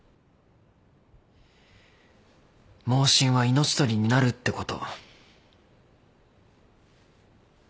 妄信は命取りになるってこと。